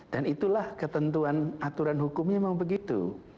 dan itulah ketentuan aturan hukumnya memang begitu